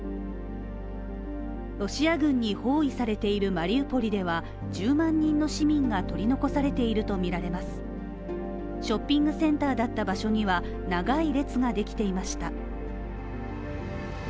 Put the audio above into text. ロシア軍に包囲されているマリウポリでは１０万人の市民が取り残されているとみられますショッピングセンターだった場所には長い列ができていました。